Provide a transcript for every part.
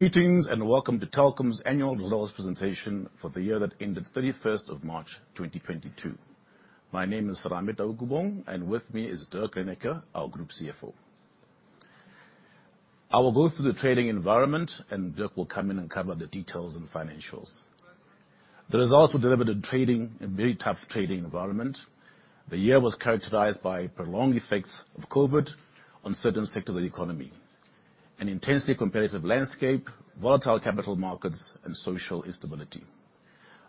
Greetings and welcome to Telkom's annual results presentation for the year that ended 31 March 2022. My name is Serame Taukobong, and with me is Dirk Reyneke, our Group CFO. I will go through the trading environment, and Dirk will come in and cover the details and financials. The results were delivered in a very tough trading environment. The year was characterized by prolonged effects of COVID on certain sectors of the economy: an intensely competitive landscape, volatile capital markets, and social instability.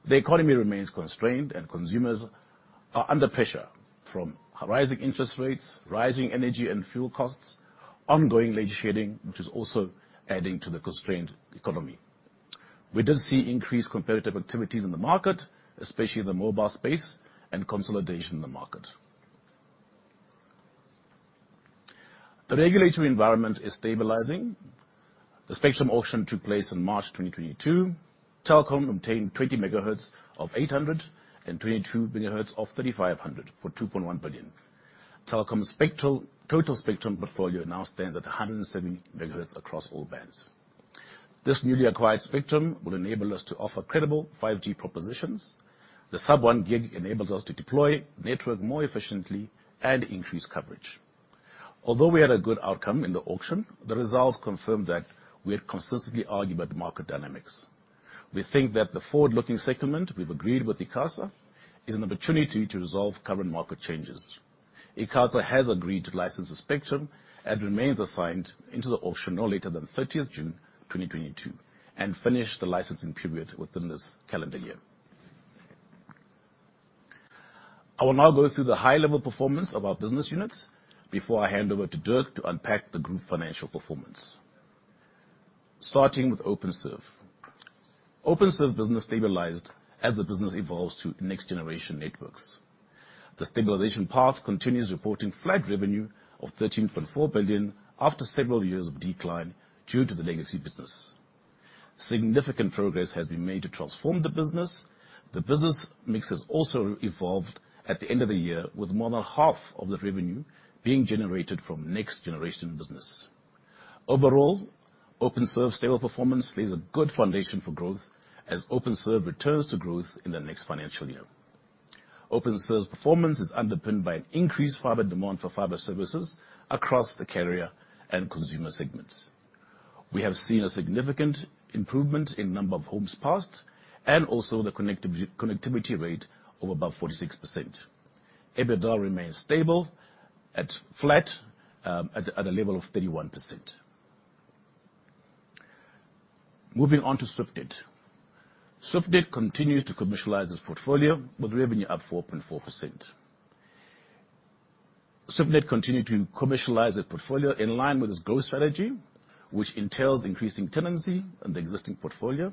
The economy remains constrained, and consumers are under pressure from rising interest rates, rising energy and fuel costs, and ongoing legislation, which is also adding to the constrained economy. We did see increased competitive activities in the market, especially in the mobile space, and consolidation in the market. The regulatory environment is stabilizing. The spectrum auction took place in March 2022. Telkom obtained 20 MHz of 800 and 22 MHz of 3500 for 2.1 billion. Telkom's total spectrum portfolio now stands at 170 MHz across all bands. This newly acquired spectrum will enable us to offer credible 5G propositions. The sub-1 GHz enables us to deploy network more efficiently and increase coverage. Although we had a good outcome in the auction, the results confirmed that we had consistently argued about market dynamics. We think that the forward-looking settlement we've agreed with ICASA is an opportunity to resolve current market changes. ICASA has agreed to license the spectrum and remain assigned interim to the auction no later than 30 June 2022 and finish the licensing period within this calendar year. I will now go through the high-level performance of our business units before I hand over to Dirk to unpack the Group financial performance. Starting with Openserve, Openserve business stabilized as the business evolves to next-generation networks. The stabilization path continues, reporting flat revenue of 13.4 billion after several years of decline due to the legacy business. Significant progress has been made to transform the business. The business mix has also evolved at the end of the year, with more than half of the revenue being generated from next-generation business. Overall, Openserve's stable performance lays a good foundation for growth as Openserve returns to growth in the next financial year. Openserve's performance is underpinned by an increased fiber demand for fiber services across the carrier and consumer segments. We have seen a significant improvement in the number of homes passed and also the connectivity rate of above 46%. EBITDA remains stable, flat at a level of 31%. Moving on to Swiftnet. Swiftnet continues to commercialize its portfolio, with revenue up 4.4%. Swiftnet continues to commercialize its portfolio in line with its growth strategy, which entails increasing tenancy in the existing portfolio,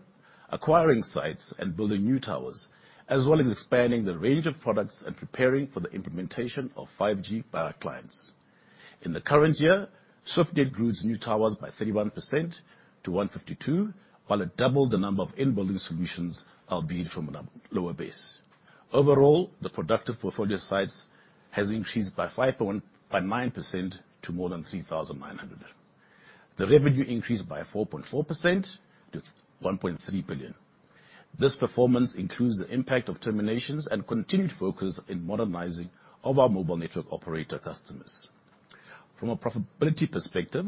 acquiring sites and building new towers, as well as expanding the range of products and preparing for the implementation of 5G by our clients. In the current year, Swiftnet grew its new towers by 31% to 152, while it doubled the number of in-building solutions, albeit from a lower base. Overall, the productive portfolio size has increased by 5.9% to more than 3,900. The revenue increased by 4.4% to 1.3 billion. This performance includes the impact of terminations and continued focus in modernizing of our mobile network operator customers. From a profitability perspective,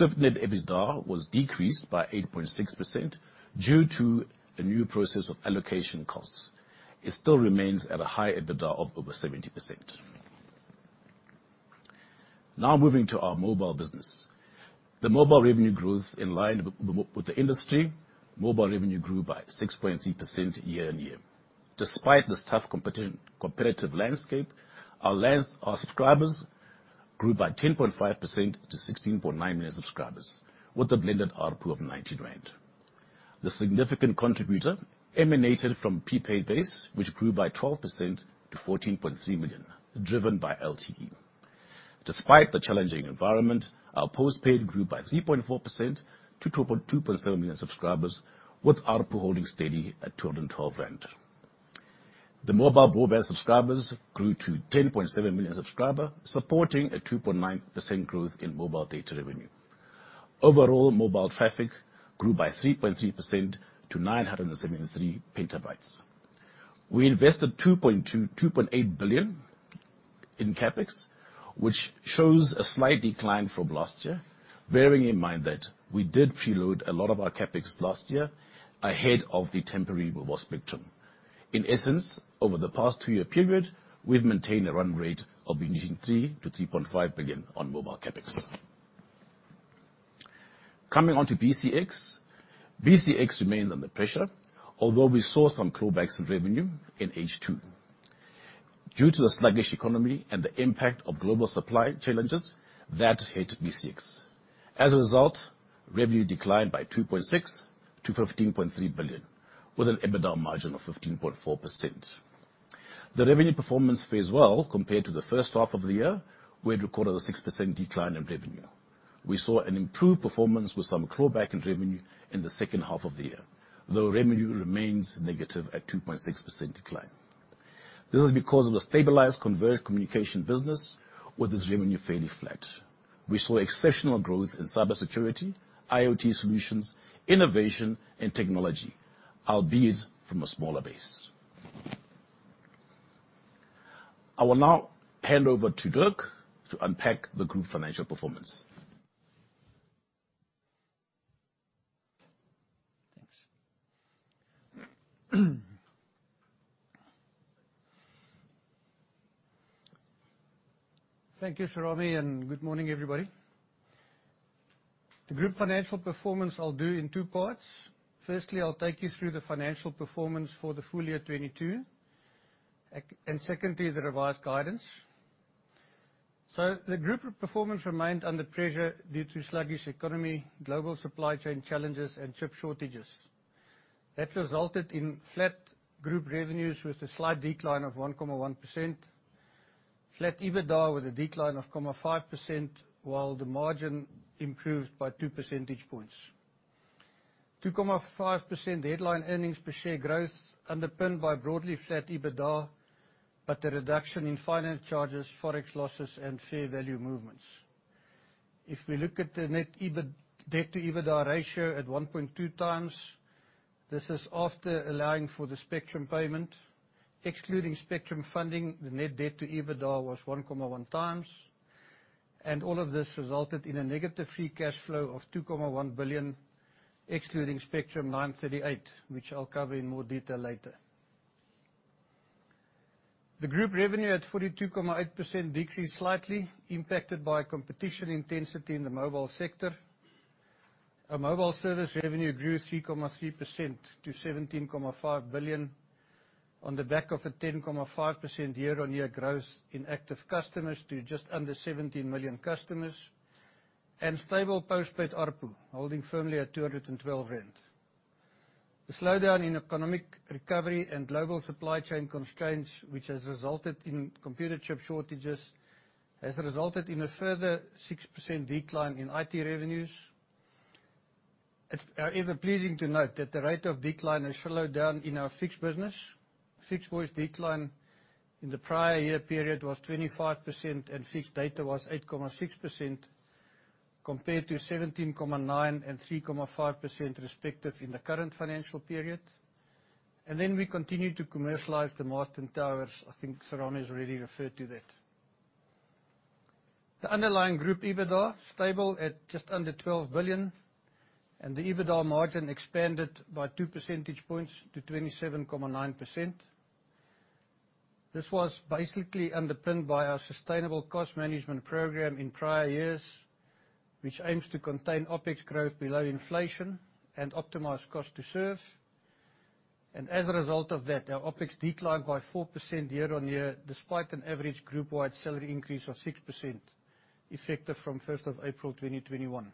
Swiftnet EBITDA was decreased by 8.6% due to a new process of allocation costs. It still remains at a high EBITDA of over 70%. Now moving to our mobile business. The mobile revenue grew in line with the industry. Mobile revenue grew by 6.3% year-on-year. Despite the tough competitive landscape, our subscribers grew by 10.5% to 16.9 million subscribers, with a blended ARPU of 90 rand. The significant contributor emanated from prepaid base, which grew by 12% to 14.3 million, driven by LTE. Despite the challenging environment, our postpaid grew by 3.4% to 2.7 million subscribers, with ARPU holding steady at 212 rand. The mobile broadband subscribers grew to 10.7 million subscribers, supporting a 2.9% growth in mobile data revenue. Overall, mobile traffic grew by 3.3% to 973 PB. We invested 2.8 billion in CAPEX, which shows a slight decline from last year, bearing in mind that we did preload a lot of our CAPEX last year ahead of the temporary mobile spectrum. In essence, over the past two-year period, we've maintained a run rate of between 3 billion-3.5 billion on mobile CAPEX. Coming on to BCX. BCX remains under pressure, although we saw some throwbacks in revenue in H2. Due to the sluggish economy and the impact of global supply challenges, that hit BCX. As a result, revenue declined by 2.6% to 15.3 billion, with an EBITDA margin of 15.4%. The revenue performance fares well compared to the first half of the year, where it recorded a 6% decline in revenue. We saw an improved performance with some throwback in revenue in the second half of the year, though revenue remains negative at 2.6% decline. This is because of the stabilized converged communication business, with its revenue fairly flat. We saw exceptional growth in cybersecurity, IoT solutions, innovation, and technology, albeit from a smaller base. I will now hand over to Dirk to unpack the Group financial performance. Thanks. Thank you, Serame, and good morning, everybody. The Group financial performance I'll do in two parts. Firstly, I'll take you through the financial performance for the full year 2022, and secondly, the revised guidance. So the Group performance remained under pressure due to sluggish economy, global supply chain challenges, and chip shortages. That resulted in flat Group revenues with a slight decline of 1.1%, flat EBITDA with a decline of 0.5%, while the margin improved by 2 percentage points. 2.5% headline earnings per share growth underpinned by broadly flat EBITDA, but the reduction in finance charges, forex losses, and fair value movements. If we look at the net debt to EBITDA ratio at 1.2 times, this is after allowing for the spectrum payment. Excluding spectrum funding, the net debt to EBITDA was 1.1 times, and all of this resulted in a negative free cash flow of 2.1 billion, excluding spectrum 938 million, which I'll cover in more detail later. The Group revenue at 42.8% decreased slightly, impacted by competition intensity in the mobile sector. Mobile service revenue grew 3.3% to 17.5 billion on the back of a 10.5% year-on-year growth in active customers to just under 17 million customers, and stable postpaid ARPU, holding firmly at 212,000. The slowdown in economic recovery and global supply chain constraints, which has resulted in computer chip shortages, has resulted in a further 6% decline in IT revenues. It's however pleasing to note that the rate of decline has slowed down in our fixed business. Fixed voice decline in the prior year period was 25%, and fixed data was 8.6% compared to 17.9% and 3.5% respectively in the current financial period. And then we continue to commercialize the masts and towers. I think Serame has already referred to that. The underlying Group EBITDA is stable at just under 12 billion, and the EBITDA margin expanded by 2 percentage points to 27.9%. This was basically underpinned by our sustainable cost management program in prior years, which aims to contain OPEX growth below inflation and optimize cost to serve. And as a result of that, our OPEX declined by 4% year-on-year, despite an average group-wide salary increase of 6% effective from 1 April 2021.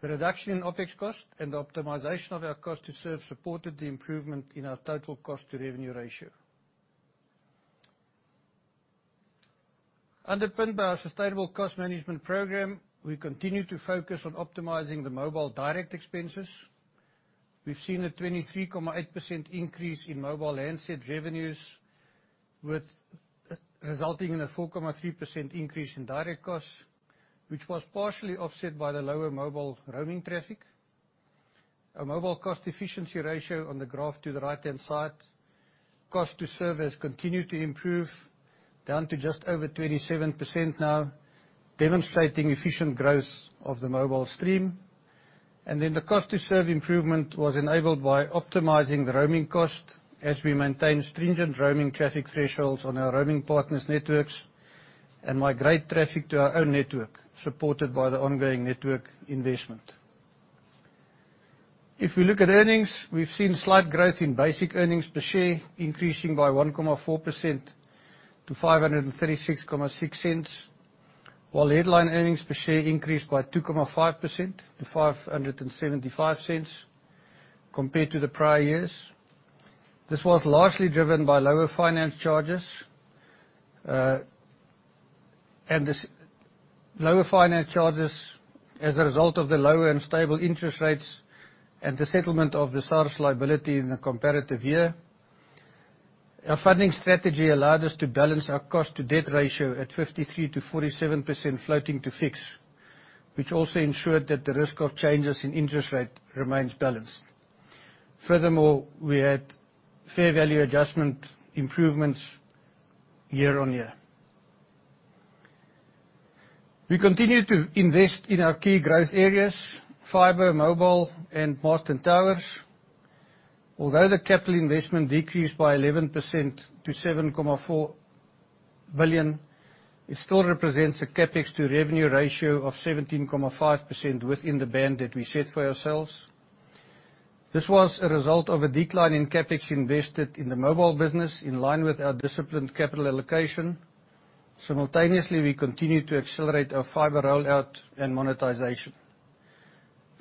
The reduction in OPEX cost and the optimization of our cost to serve supported the improvement in our total cost to revenue ratio. Underpinned by our sustainable cost management program, we continue to focus on optimizing the mobile direct expenses. We've seen a 23.8% increase in mobile handset revenues, resulting in a 4.3% increase in direct costs, which was partially offset by the lower mobile roaming traffic. Our mobile cost efficiency ratio on the graph to the right-hand side, cost to serve, has continued to improve down to just over 27% now, demonstrating efficient growth of the mobile stream. And then the cost to serve improvement was enabled by optimizing the roaming cost as we maintain stringent roaming traffic thresholds on our roaming partners' networks and migrate traffic to our own network, supported by the ongoing network investment. If we look at earnings, we've seen slight growth in basic earnings per share, increasing by 1.4% to 5.366, while headline earnings per share increased by 2.5% to 5.75 compared to the prior years. This was largely driven by lower finance charges. Lower finance charges, as a result of the lower and stable interest rates and the settlement of the SARS liability in the comparative year, our funding strategy allowed us to balance our cost to debt ratio at 53%-47%, floating to fix, which also ensured that the risk of changes in interest rate remains balanced. Furthermore, we had fair value adjustment improvements year on year. We continue to invest in our key growth areas, fiber, mobile, and masts and towers. Although the capital investment decreased by 11% to 7.4 billion, it still represents a CAPEX to revenue ratio of 17.5% within the band that we set for ourselves. This was a result of a decline in CAPEX invested in the mobile business, in line with our disciplined capital allocation. Simultaneously, we continue to accelerate our fiber rollout and monetization.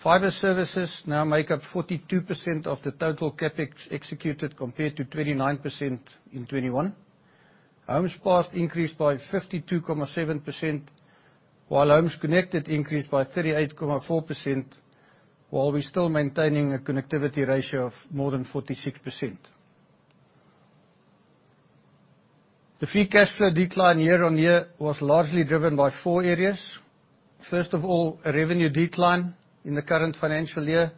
Fiber services now make up 42% of the total CAPEX executed compared to 29% in 2021. Homes passed increased by 52.7%, while homes connected increased by 38.4%, while we're still maintaining a connectivity ratio of more than 46%. The free cash flow decline year on year was largely driven by four areas. First of all, a revenue decline in the current financial year.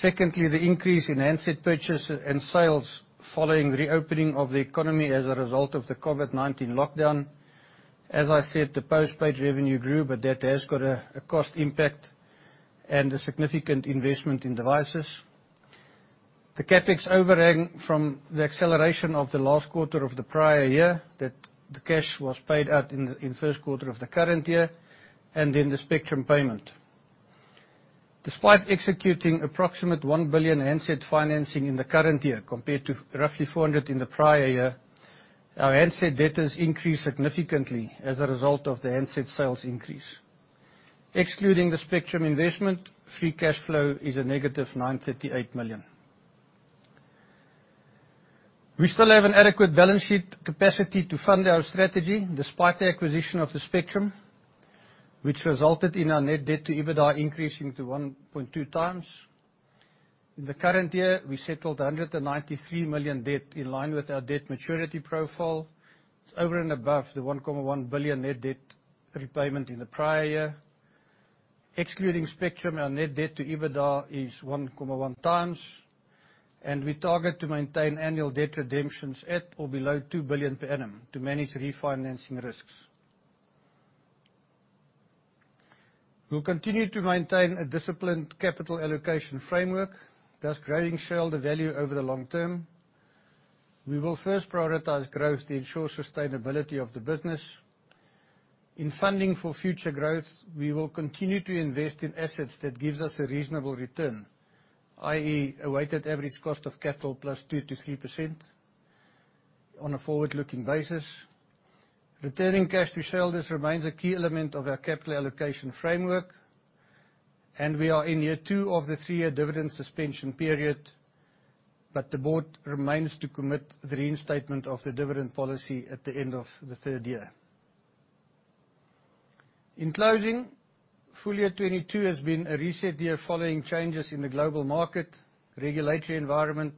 Secondly, the increase in handset purchase and sales following reopening of the economy as a result of the COVID-19 lockdown. As I said, the postpaid revenue grew, but that has got a cost impact and a significant investment in devices. The CAPEX overhang from the acceleration of the last quarter of the prior year, that the cash was paid out in the Q1 of the current year, and then the spectrum payment. Despite executing approximately 1 billion handset financing in the current year compared to roughly 400 million in the prior year, our handset debtors increased significantly as a result of the handset sales increase. Excluding the spectrum investment, free cash flow is negative 938 million. We still have an adequate balance sheet capacity to fund our strategy despite the acquisition of the spectrum, which resulted in our net debt to EBITDA increasing to 1.2 times. In the current year, we settled 193 million debt in line with our debt maturity profile. It's over and above the 1.1 billion net debt repayment in the prior year. Excluding spectrum, our net debt to EBITDA is 1.1 times, and we target to maintain annual debt redemptions at or below 2 billion per annum to manage refinancing risks. We'll continue to maintain a disciplined capital allocation framework that's growing shareholder value over the long term. We will first prioritize growth to ensure sustainability of the business. In funding for future growth, we will continue to invest in assets that give us a reasonable return, i.e., a weighted average cost of capital plus 2%-3% on a forward-looking basis. Returning cash to shareholders remains a key element of our capital allocation framework, and we are in year two of the three-year dividend suspension period, but the board remains to commit the reinstatement of the dividend policy at the end of the third year. In closing, full year 2022 has been a reset year following changes in the global market, regulatory environment,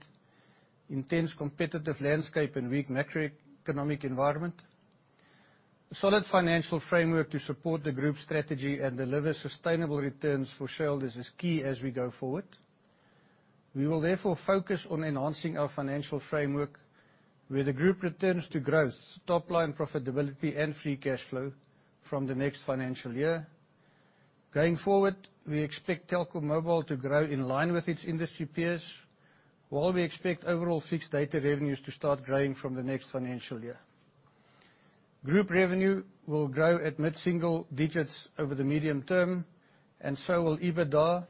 intense competitive landscape, and weak macroeconomic environment. A solid financial framework to support the Group strategy and deliver sustainable returns for shareholders is key as we go forward. We will therefore focus on enhancing our financial framework, where the Group returns to growth, top-line profitability, and free cash flow from the next financial year. Going forward, we expect Telkom Mobile to grow in line with its industry peers, while we expect overall fixed data revenues to start growing from the next financial year. Group revenue will grow at mid-single digits over the medium term, and so will EBITDA.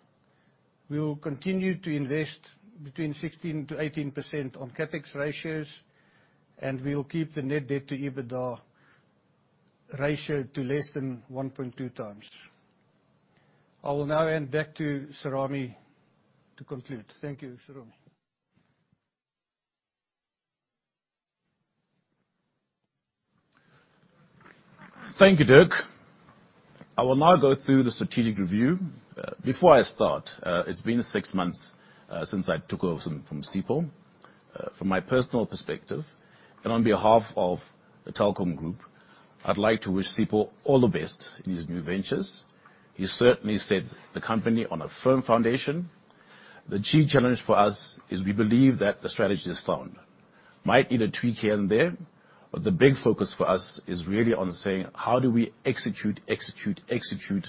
We'll continue to invest between 16%-18% on CAPEX ratios, and we'll keep the net debt to EBITDA ratio to less than 1.2 times. I will now hand back to Serame to conclude. Thank you, Serame. Thank you, Dirk. I will now go through the strategic review. Before I start, it's been six months since I took over from Sipho. From my personal perspective, and on behalf of the Telkom Group, I'd like to wish Sipho all the best in his new ventures. He's certainly set the company on a firm foundation. The key challenge for us is we believe that the strategy is sound. Might need a tweak here and there, but the big focus for us is really on saying, how do we execute, execute, execute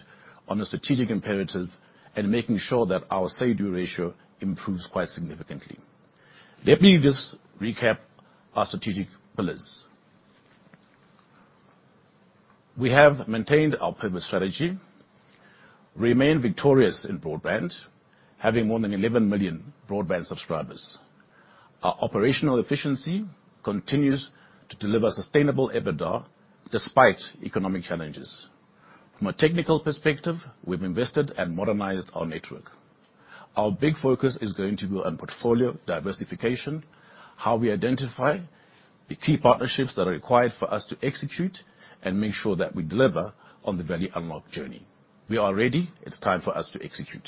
on a strategic imperative and making sure that our CU ratio improves quite significantly. Let me just recap our strategic pillars. We have maintained our pivot strategy, remained victorious in broadband, having more than 11 million broadband subscribers. Our operational efficiency continues to deliver sustainable EBITDA despite economic challenges. From a technical perspective, we've invested and modernized our network. Our big focus is going to be on portfolio diversification, how we identify the key partnerships that are required for us to execute and make sure that we deliver on the value unlock journey. We are ready. It's time for us to execute.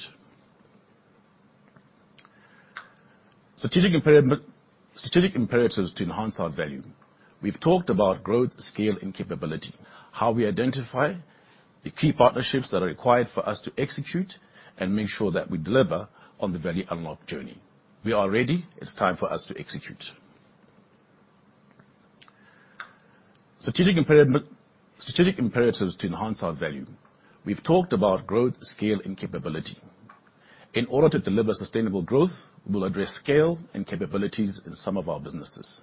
Strategic imperatives to enhance our value. We've talked about growth, scale, and capability, how we identify the key partnerships that are required for us to execute and make sure that we deliver on the value unlock journey. We are ready. It's time for us to execute. Strategic imperatives to enhance our value. We've talked about growth, scale, and capability. In order to deliver sustainable growth, we'll address scale and capabilities in some of our businesses.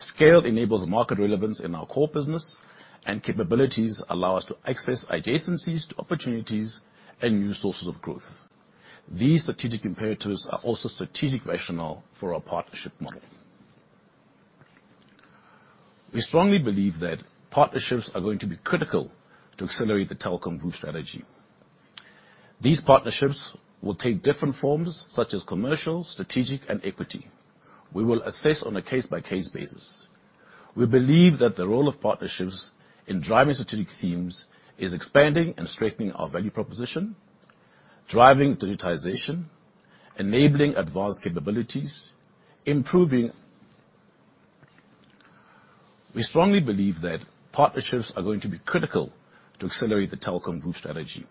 Scale enables market relevance in our core business, and capabilities allow us to access adjacencies to opportunities and new sources of growth. These strategic imperatives are also strategic rationale for our partnership model. We strongly believe that partnerships are going to be critical to accelerate the Telkom Group strategy. These partnerships will take different forms, such as commercial, strategic, and equity. We will assess on a case-by-case basis. We believe that the role of partnerships in driving strategic themes is expanding and strengthening our value proposition, driving digitization, enabling advanced capabilities, improving. We strongly believe that partnerships are going to be critical to accelerate the Telkom Group strategy.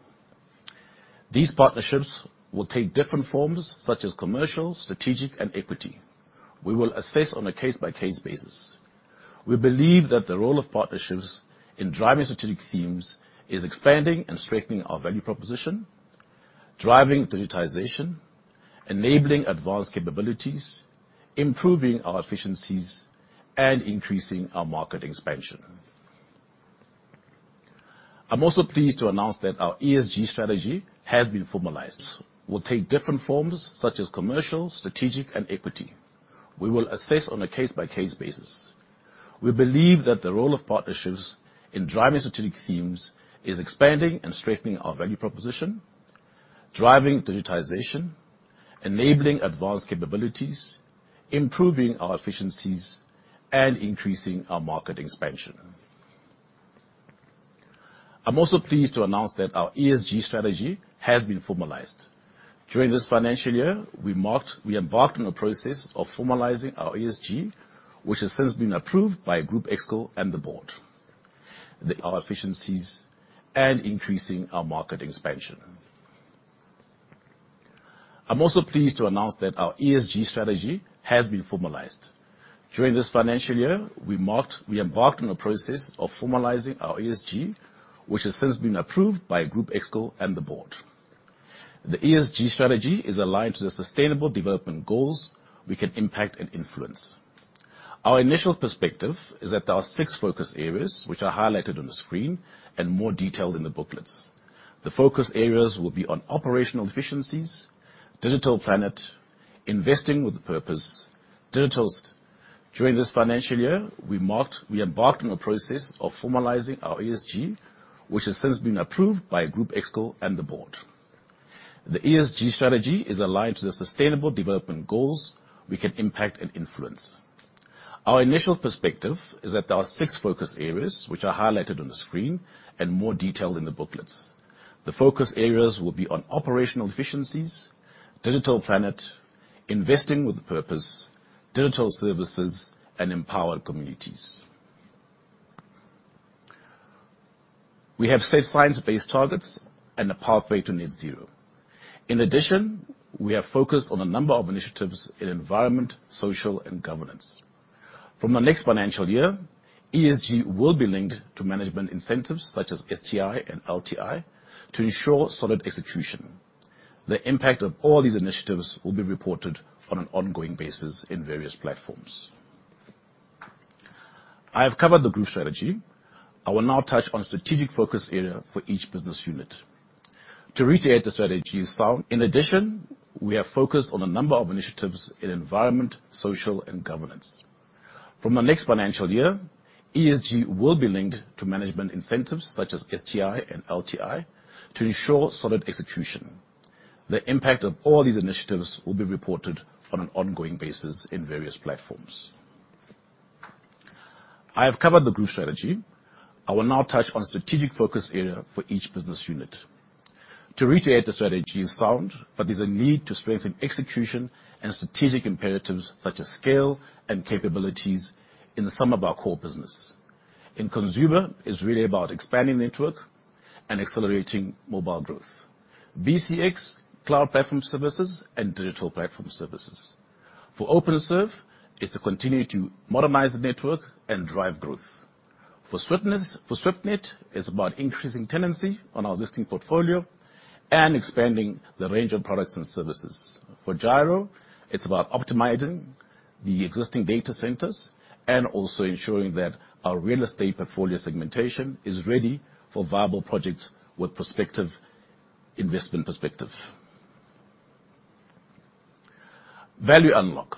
These partnerships will take different forms, such as commercial, strategic, and equity. We will assess on a case-by-case basis. We believe that the role of partnerships in driving strategic themes is expanding and strengthening our value proposition, driving digitization, enabling advanced capabilities, improving our efficiencies, and increasing our market expansion. I'm also pleased to announce that our ESG strategy has been formalized. We'll take different forms, such as commercial, strategic, and equity. We will assess on a case-by-case basis. We believe that the role of partnerships in driving strategic themes is expanding and strengthening our value proposition, driving digitization, enabling advanced capabilities, improving our efficiencies, and increasing our market expansion. I'm also pleased to announce that our ESG strategy has been formalized. During this financial year, we embarked on a process of formalizing our ESG, which has since been approved by Group Exco and the board. The ESG strategy is aligned to the sustainable development goals we can impact and influence. Our initial perspective is that there are six focus areas, which are highlighted on the screen and more detailed in the booklets. The focus areas will be on operational efficiencies, digital planet, investing with purpose, digital. During this financial year, we embarked on a process of formalizing our ESG, which has since been approved by Group Exco and the board. The ESG strategy is aligned to the sustainable development goals we can impact and influence. Our initial perspective is that there are six focus areas, which are highlighted on the screen and more detailed in the booklets. The focus areas will be on operational efficiencies, digital planet, investing with purpose, digital services, and empowered communities. We have safe science-based targets and a pathway to net zero. In addition, we have focused on a number of initiatives in environment, social, and governance. From the next financial year, ESG will be linked to management incentives such as STI and LTI to ensure solid execution. The impact of all these initiatives will be reported on an ongoing basis in various platforms. I have covered the Group strategy. I will now touch on a strategic focus area for each business unit. To recreate the strategy. In addition, we have focused on a number of initiatives in environment, social, and governance. From the next financial year, ESG will be linked to management incentives such as STI and LTI to ensure solid execution. The impact of all these initiatives will be reported on an ongoing basis in various platforms. I have covered the Group strategy. I will now touch on a strategic focus area for each business unit. The strategy is sound, but there's a need to strengthen execution and strategic imperatives such as scale and capabilities in some of our core business. In consumer, it's really about expanding the network and accelerating mobile growth. BCX, cloud platform services, and digital platform services. For Openserve, it's to continue to modernize the network and drive growth. For Swiftnet, it's about increasing tenancy on our existing portfolio and expanding the range of products and services. For Gyro, it's about optimizing the existing data centers and also ensuring that our real estate portfolio segmentation is ready for viable projects with prospective investment perspective. Value unlock.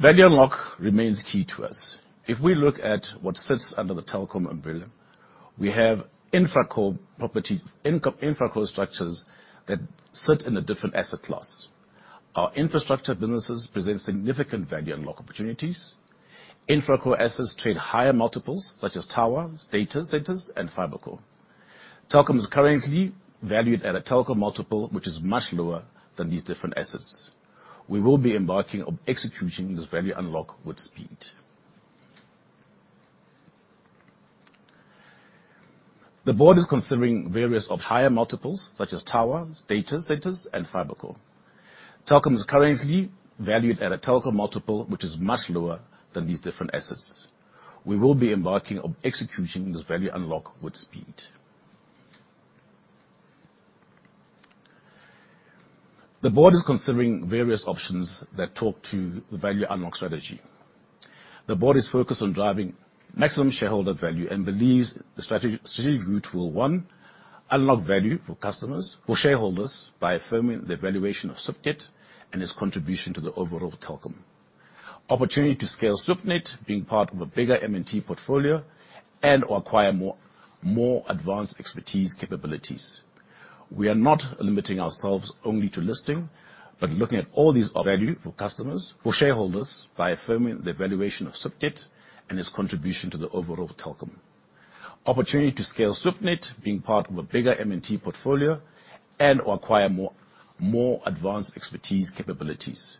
Value unlock remains key to us. If we look at what sits under the Telkom umbrella, we have InfraCo structures that sit in a different asset class. Our infrastructure businesses present significant value unlock opportunities. InfraCo assets trade higher multiples, such as tower, data centers, and fiber core. Telkom is currently valued at a Telkom multiple, which is much lower than these different assets. We will be embarking on executing this value unlock with speed. The board is considering various higher multiples, such as tower, data centers, and fiber core. Telkom is currently valued at a Telkom multiple, which is much lower than these different assets. We will be embarking on executing this value unlock with speed. The board is considering various options that talk to the value unlock strategy. The board is focused on driving maximum shareholder value and believes the strategic route will, one, unlock value for shareholders by affirming the valuation of Swiftnet and its contribution to the overall Telkom. Opportunity to scale Swiftnet being part of a bigger M&T portfolio and/or acquire more advanced expertise capabilities. We are not limiting ourselves only to listing, but looking at all these. Value for customers, for shareholders by affirming the valuation of Swiftnet and its contribution to the overall Telkom. Opportunity to scale Swiftnet being part of a bigger M&T portfolio and/or acquire more advanced expertise capabilities.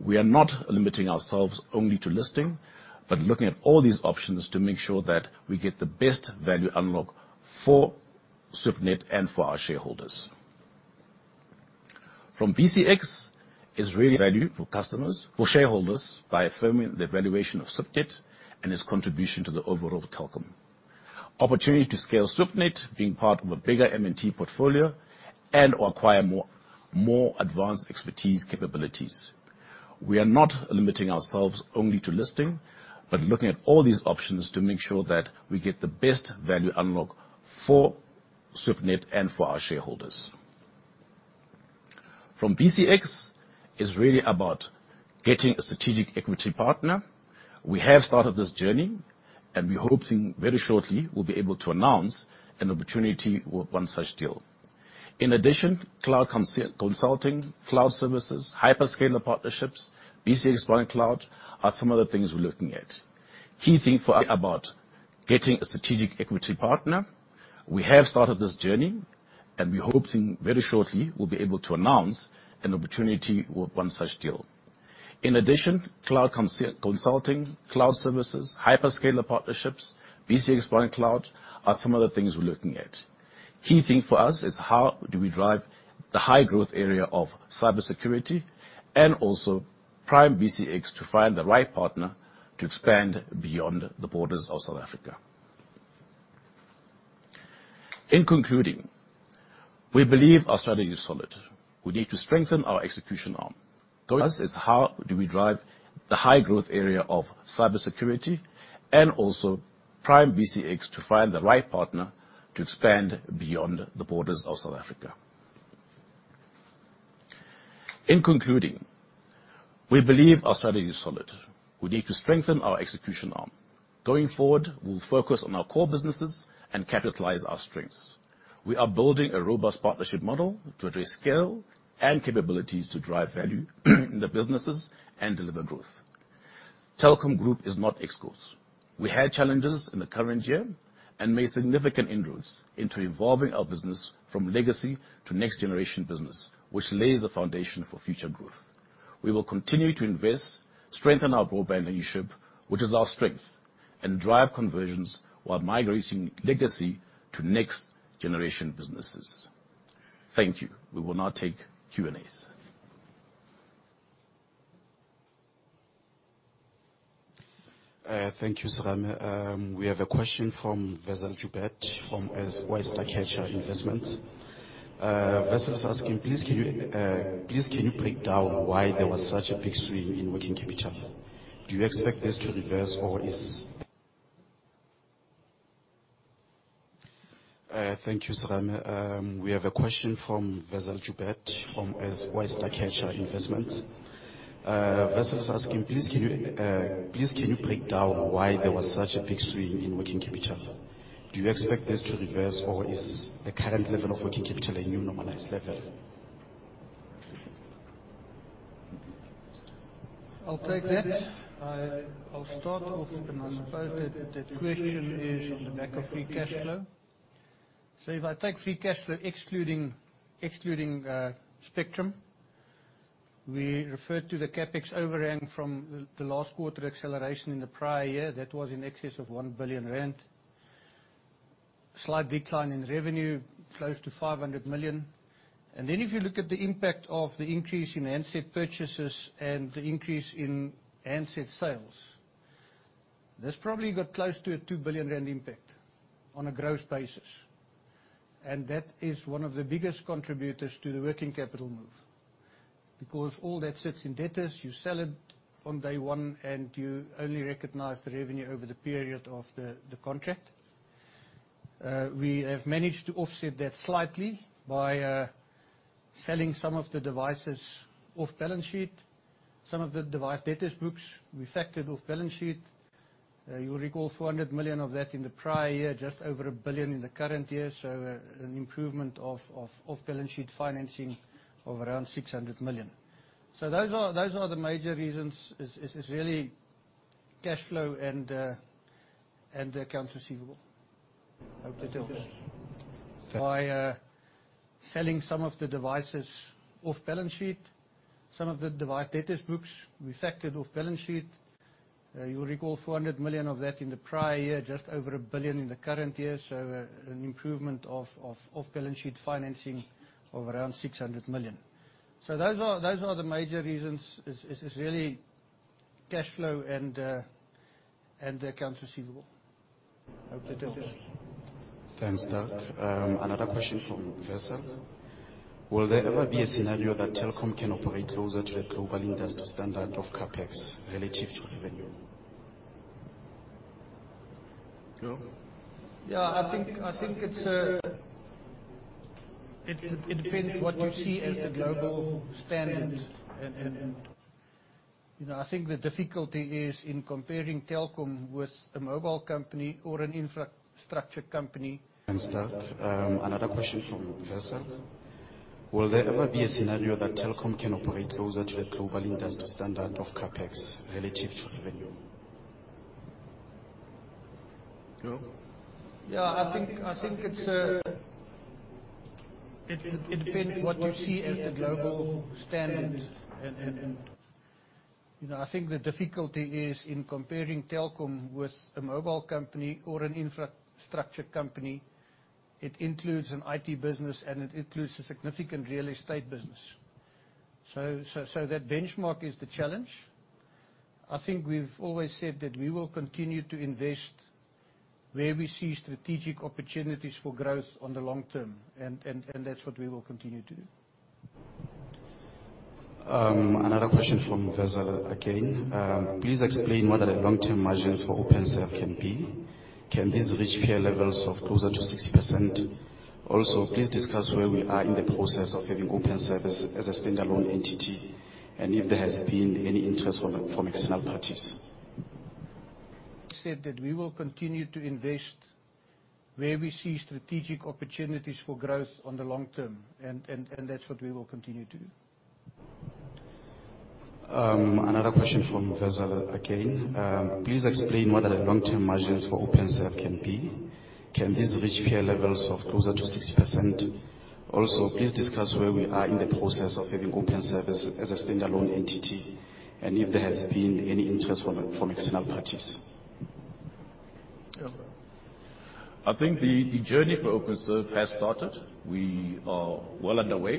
We are not limiting ourselves only to listing, but looking at all these options to make sure that we get the best value unlock for Swiftnet and for our shareholders. From BCX, it's really. Value for customers, for shareholders by affirming the valuation of Swiftnet and its contribution to the overall Telkom. Opportunity to scale Swiftnet being part of a bigger M&T portfolio and/or acquire more advanced expertise capabilities. We are not limiting ourselves only to listing, but looking at all these options to make sure that we get the best value unlock for Swiftnet and for our shareholders. From BCX, it's really about getting a strategic equity partner. We have started this journey, and we hope very shortly we'll be able to announce an opportunity with one such deal. In addition, cloud consulting, cloud services, hyperscaler partnerships, BCX OneCloud are some of the things we're looking at. Key thing for us is how do we drive the high growth area of cybersecurity and also prime BCX to find the right partner to expand beyond the borders of South Africa. In concluding, we believe our strategy is solid. We need to strengthen our execution arm. Going to. So is how do we drive the high growth area of cybersecurity and also prime BCX to find the right partner to expand beyond the borders of South Africa. In concluding, we believe our strategy is solid. We need to strengthen our execution arm. Going forward, we'll focus on our core businesses and capitalize our strengths. We are building a robust partnership model to address scale and capabilities to drive value in the businesses and deliver growth. Telkom Group is not excused. We had challenges in the current year and made significant inroads into evolving our business from legacy to next-generation business, which lays the foundation for future growth. We will continue to invest, strengthen our broadband leadership, which is our strength, and drive conversions while migrating legacy to next-generation businesses. Thank you. We will now take Q&As. Thank you, Sir. We have a question from Wessel Joubert from Westbrooke Alternative Asset Management. Wessel is asking, please can you break down why there was such a big swing in working capital? Do you expect this to reverse or is? Thank you, sir. We have a question from Wessel Joubert from Westbrooke Alternative Asset Management. Wessel is asking, please can you break down why there was such a big swing in working capital? Do you expect this to reverse or is the current level of working capital a new normalized level? I'll take that. I'll start off, and I suppose that the question is on the back of free cash flow. So if I take free cash flow excluding spectrum, we refer to the CapEx overhang from the last quarter acceleration in the prior year that was in excess of 1 billion rand, slight decline in revenue, close to 500 million. And then if you look at the impact of the increase in handset purchases and the increase in handset sales, this probably got close to a 2 billion rand impact on a gross basis. And that is one of the biggest contributors to the working capital move because all that sits in debtors. You sell it on day one, and you only recognize the revenue over the period of the contract. We have managed to offset that slightly by selling some of the devices off balance sheet, some of the device debtors' books we factored off balance sheet. You'll recall 400 million of that in the prior year, just over 1 billion in the current year. So an improvement of off-balance sheet financing of around 600 million. So those are the major reasons. It's really cash flow and accounts receivable. Hope that helps. By selling some of the devices off-balance-sheet, some of the debtors' books we factored off-balance-sheet. You'll recall 400 million of that in the prior year, just over 1 billion in the current year. So an improvement of off-balance-sheet financing of around 600 million. So those are the major reasons. It's really cash flow and accounts receivable. Hope that helps. Thanks, Dirk. Another question from Wessel. Will there ever be a scenario that Telkom can operate closer to the global industry standard of CAPEX relative to revenue? Yeah, I think it depends what you see as the global standard. And I think the difficulty is in comparing Telkom with a mobile company or an infrastructure company. Thanks, Dirk. Another question from Wessel. Will there ever be a scenario that Telkom can operate closer to the global industry standard of CAPEX relative to revenue? Yeah, I think it depends what you see as the global standard. And I think the difficulty is in comparing Telkom with a mobile company or an infrastructure company. It includes an IT business, and it includes a significant real estate business. So that benchmark is the challenge. I think we've always said that we will continue to invest where we see strategic opportunities for growth on the long term, and that's what we will continue to do. Another question from Wessel again. Please explain what the long-term margins for Openserve can be. Can this reach peer levels of closer to 60%? Also, please discuss where we are in the process of having Openserve as a standalone entity and if there has been any interest from external parties. Said that we will continue to invest where we see strategic opportunities for growth on the long term, and that's what we will continue to do. Another question from Wessel again. Please explain what the long-term margins for Openserve can be. Can this reach peer levels of closer to 60%? Also, please discuss where we are in the process of having Openserve as a standalone entity and if there has been any interest from external parties. I think the journey for Openserve has started. We are well underway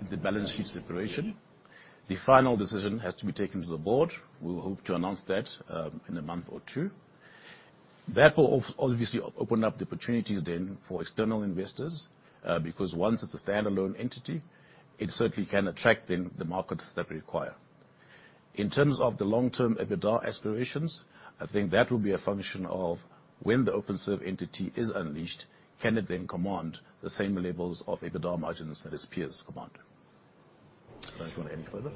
in the balance sheet separation. The final decision has to be taken to the board. We will hope to announce that in a month or two. That will obviously open up the opportunity then for external investors because once it's a standalone entity, it certainly can attract then the markets that we require. In terms of the long-term EBITDA aspirations, I think that will be a function of when the Openserve entity is unleashed, can it then command the same levels of EBITDA margins that its peers command? Don't want to add any further.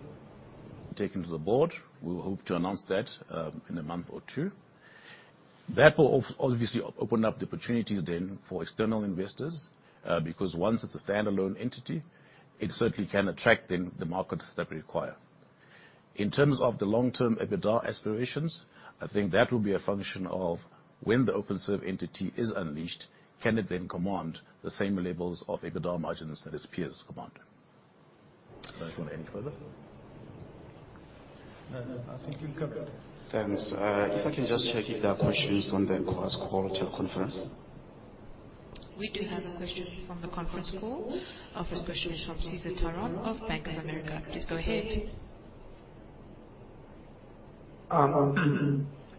Taken to the board. We will hope to announce that in a month or two. That will obviously open up the opportunity then for external investors because once it's a standalone entity, it certainly can attract then the markets that we require. In terms of the long-term EBITDA aspirations, I think that will be a function of when the Openserve entity is unleashed, can it then command the same levels of EBITDA margins that its peers command? Don't want to add any further. I think you've covered it. Thanks. If I can just check if there are questions on the Chorus Call teleconference. We do have a question from the conference call. Our first question is from Cesar Tiron of Bank of America. Please go ahead.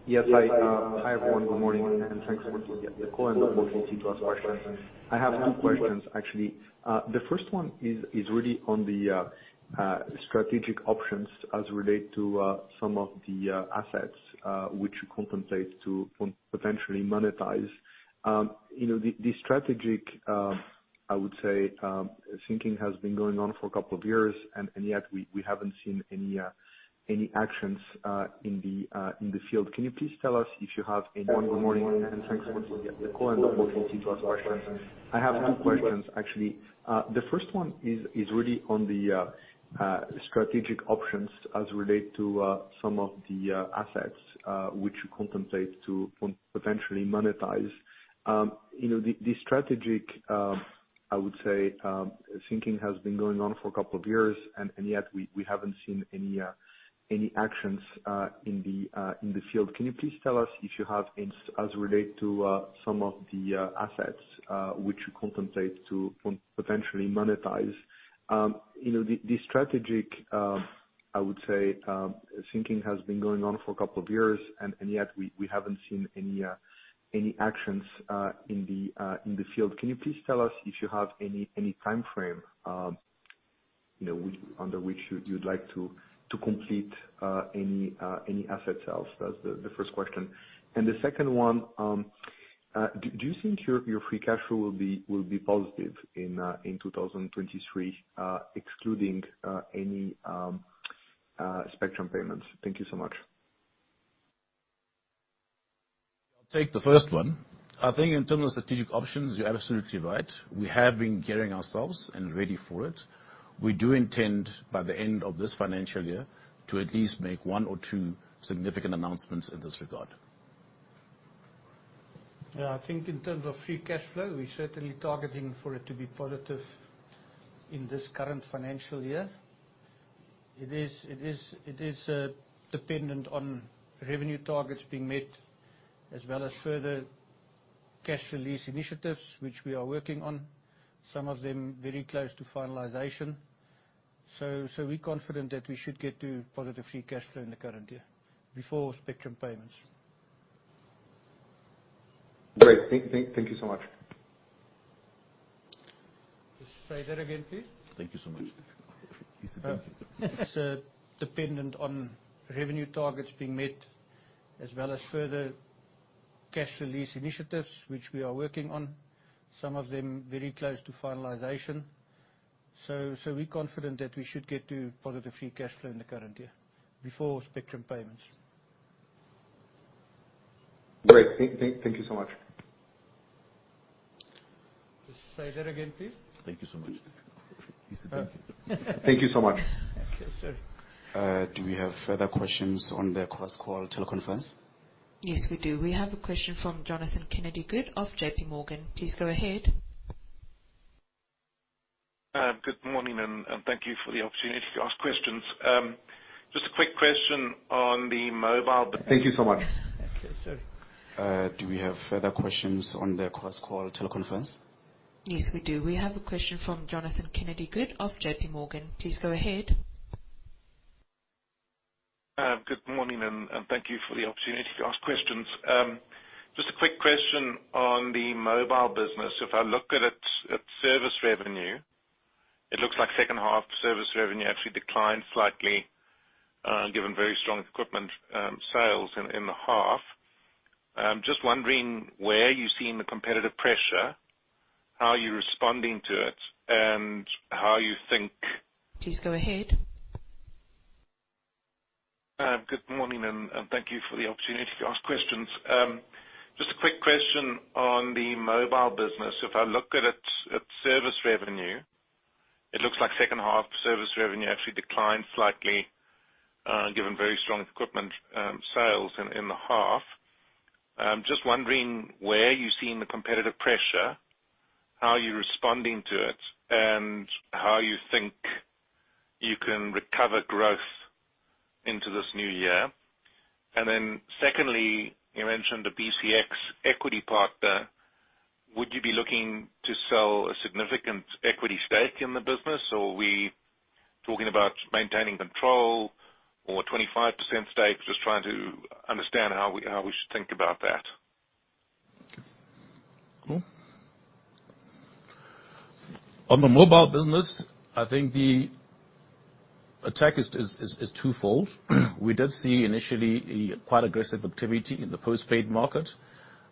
Yes, hi, everyone. Good morning. And thanks for the call and the opportunity to ask questions. I have two questions, actually. The first one is really on the strategic options as related to some of the assets which you contemplate to potentially monetize. The strategic, I would say, thinking has been going on for a couple of years, and yet we haven't seen any actions in the field. Can you please tell us if you have any? The strategic, I would say, thinking has been going on for a couple of years, and yet we haven't seen any actions in the field. Can you please tell us if you have any? As related to some of the assets which you contemplate to potentially monetize. The strategic, I would say, thinking has been going on for a couple of years, and yet we haven't seen any actions in the field. Can you please tell us if you have any timeframe under which you'd like to complete any assets else? That's the first question. And the second one, do you think your free cash flow will be positive in 2023, excluding any spectrum payments? Thank you so much. I'll take the first one. I think in terms of strategic options, you're absolutely right. We have been gearing ourselves and ready for it. We do intend, by the end of this financial year, to at least make one or two significant announcements in this regard. Yeah, I think in terms of free cash flow, we're certainly targeting for it to be positive in this current financial year. It is dependent on revenue targets being met as well as further cash release initiatives which we are working on, some of them very close to finalization. So we're confident that we should get to positive free cash flow in the current year before spectrum payments. Great. Thank you so much. Say that again, please. Thank you so much. It's dependent on revenue targets being met as well as further cash release initiatives which we are working on, some of them very close to finalization. So we're confident that we should get to positive free cash flow in the current year before spectrum payments. Great. Thank you so much. Say that again, please. Thank you so much. Thank you so much. Okay, sorry. Do we have further questions on the QRS call teleconference? Yes, we do. We have a question from Jonathan Kennedy-Good of JPMorgan. Please go ahead. Good morning, and thank you for the opportunity to ask questions. Just a quick question on the mobile business. If I look at service revenue, it looks like second-half service revenue actually declined slightly given very strong equipment sales in the half. I'm just wondering where you've seen the competitive pressure, how you're responding to it, and how you think. Please go ahead. Good morning, and thank you for the opportunity to ask questions. Just a quick question on the mobile business. If I look at service revenue, it looks like second-half service revenue actually declined slightly given very strong equipment sales in the half. I'm just wondering where you've seen the competitive pressure, how you're responding to it, and how you think you can recover growth into this new year. And then secondly, you mentioned a BCX equity partner. Would you be looking to sell a significant equity stake in the business, or are we talking about maintaining control or 25% stake? Just trying to understand how we should think about that. On the mobile business, I think the attack is twofold. We did see initially quite aggressive activity in the postpaid market.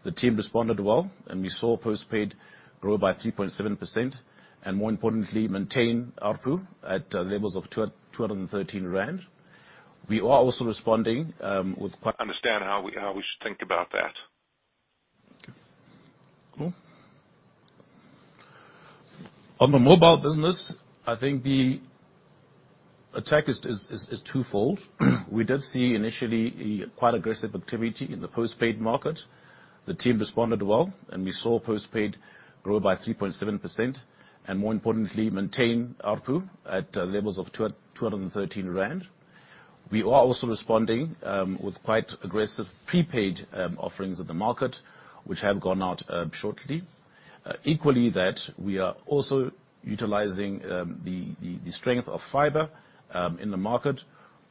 The team responded well, and we saw postpaid grow by 3.7% and, more importantly, maintain output at levels of 213 rand. We are also responding with. Understand how we should think about that. On the mobile business, I think the attack is twofold. We did see initially quite aggressive activity in the postpaid market. The team responded well, and we saw postpaid grow by 3.7% and, more importantly, maintain output at levels of 213 rand. We are also responding with quite aggressive prepaid offerings in the market which have gone out shortly. Equally that, we are also utilizing the strength of fiber in the market,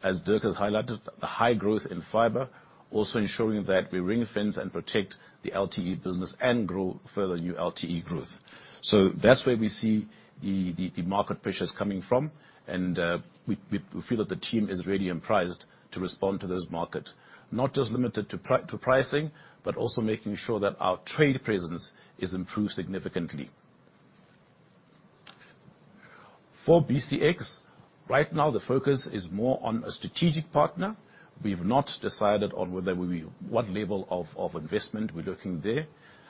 as Dirk has highlighted, the high growth in fiber, also ensuring that we ring-fence and protect the LTE business and grow further new LTE growth. So that's where we see the market pressures coming from, and we feel that the team is really impressed to respond to those markets, not just limited to pricing, but also making sure that our trade presence is improved significantly. For BCX, right now, the focus is more on a strategic partner. We've not decided on what level of investment we're looking there.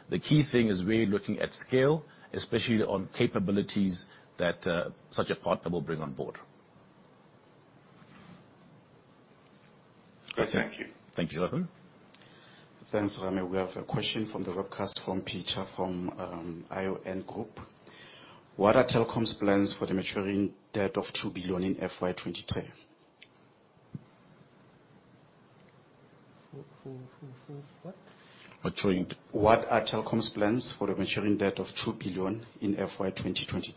The key thing is we're looking at scale, especially on capabilities that such a partner will bring on board. Thank you. Thank you, Jonathan. Thanks, Rame. We have a question from the webcast from PHF from ION Group. What are Telkom's plans for the maturing debt of 2 billion in FY2023? What are Telkom's plans for the maturing debt of 2 billion in FY2023?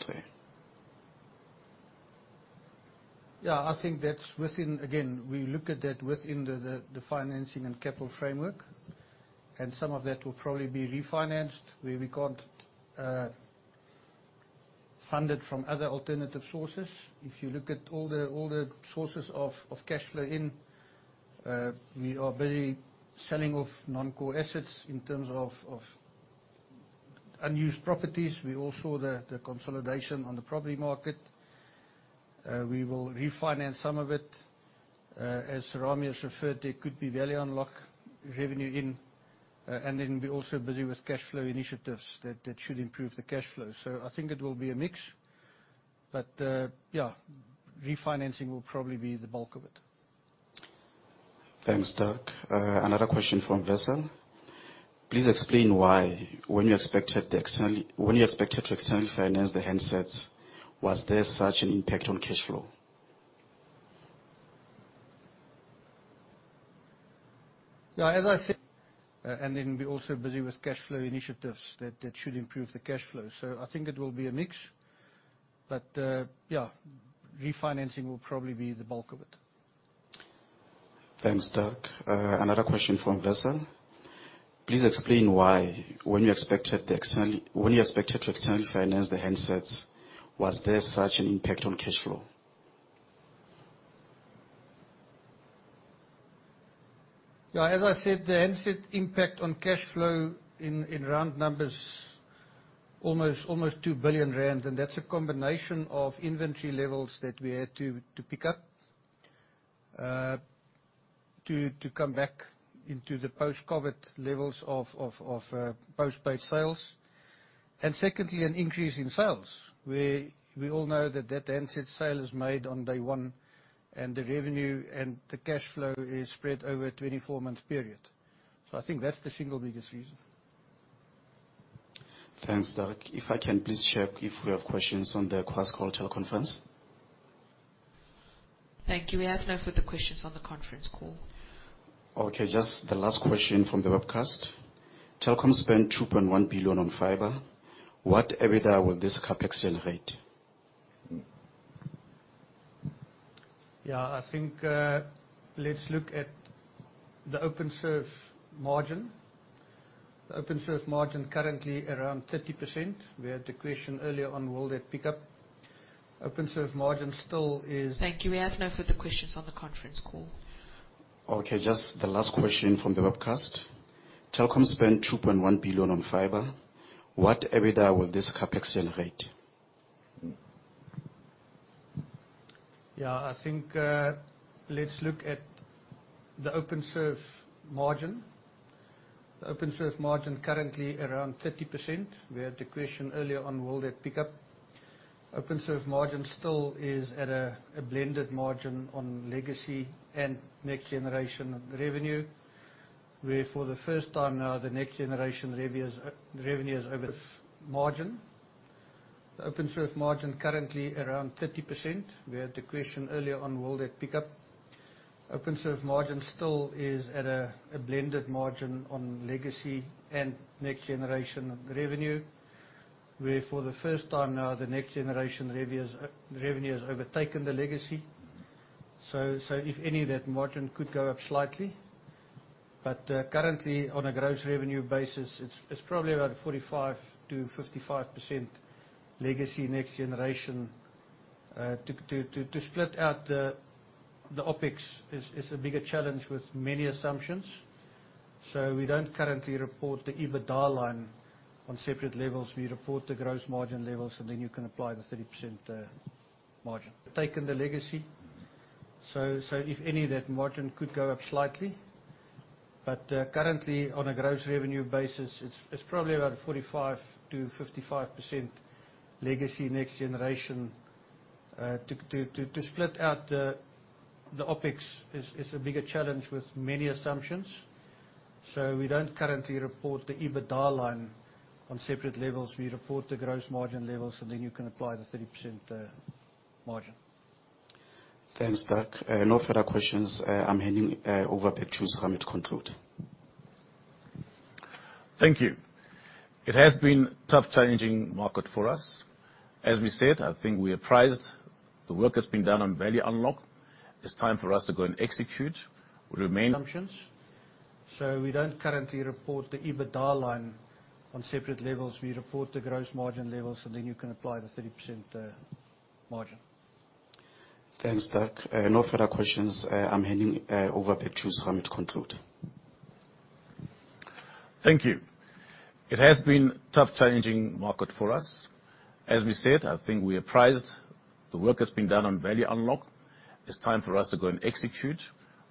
Yeah, I think that's within, again, we look at that within the financing and capital framework, and some of that will probably be refinanced where we got funded from other alternative sources. If you look at all the sources of cash flow in, we are busy selling off non-core assets in terms of unused properties. We also saw the consolidation on the property market. We will refinance some of it. As Rami has referred, there could be value unlock revenue in, and then we're also busy with cash flow initiatives that should improve the cash flow. So I think it will be a mix, but yeah, refinancing will probably be the bulk of it. Thanks, Dirk. Another question from Wessel. Please explain why when you expected to externally finance the handsets, was there such an impact on cash flow? Yeah, as I. Then we're also busy with cash flow initiatives that should improve the cash flow. So I think it will be a mix, but yeah, refinancing will probably be the bulk of it. Thanks, Dirk. Another question from Wessel. Please explain why when you expected to externally finance the handsets, was there such an impact on cash flow? Yeah, as I said, the handset impact on cash flow in round numbers, almost ZAR 2 billion, and that's a combination of inventory levels that we had to pick up to come back into the post-COVID levels of postpaid sales. And secondly, an increase in sales where we all know that that handset sale is made on day one, and the revenue and the cash flow is spread over a 24-month period. So I think that's the single biggest reason. Thanks, Dirk. If I can, please check if we have questions on the QRS call teleconference. Thank you. We have no further questions on the conference call. Okay, just the last question from the webcast. Telkom spent 2.1 billion on fiber. What EBITDA will this CAPEX generate? Yeah, I think let's look at the Openserve margin. The Openserve margin currently around 30%. We had the question earlier on, will that pick up? Openserve margin still is. Thank you. We have no further questions on the conference call. Okay, just the last question from the webcast. Telkom spent 2.1 billion on fiber. What EBITDA will this CAPEX generate? Yeah, I think let's look at the Openserve margin. The Openserve margin currently around 30%. We had the question earlier on, will that pick up? Openserve margin still is at a blended margin on legacy and next-generation revenue, where for the first time now, the next-generation revenue is over source margin. The Openserve margin currently around 30%. We had the question earlier on, will that pick up? Openserve margin still is at a blended margin on legacy and next-generation revenue, where for the first time now, the next-generation revenue has overtaken the legacy. So if any, that margin could go up slightly. But currently, on a gross revenue basis, it's probably around 45%-55% legacy next-generation. To split out the OPEX is a bigger challenge with many assumptions. So we don't currently report the EBITDA line on separate levels. We report the gross margin levels, and then you can apply the 30% margin. Taken the legacy. So if any, that margin could go up slightly. Currently, on a gross revenue basis, it's probably around 45%-55% legacy next-generation. To split out the OPEX is a bigger challenge with many assumptions. So we don't currently report the EBITDA line on separate levels. We report the gross margin levels, and then you can apply the 30% margin. Thanks, Dirk. No further questions. I'm handing over back to Serame Taukobong. Thank you. It has been a tough, challenging market for us. As we said, I think we're proud. The work has been done on value unlock. It's time for us to go and execute. We remain. Assumptions. As we said, I think we're prized. The work has been done on value unlock. It's time for us to go and execute.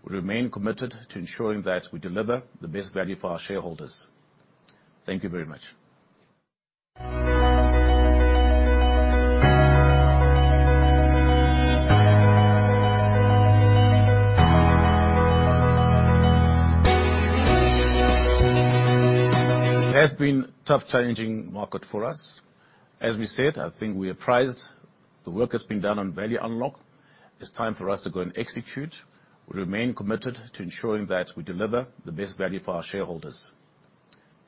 We remain committed to ensuring that we deliver the best value for our shareholders. Thank you very much. It has been a tough, challenging market for us. As we said, I think we're prized. The work has been done on value unlock. It's time for us to go and execute. We remain committed to ensuring that we deliver the best value for our shareholders.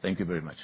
Thank you very much.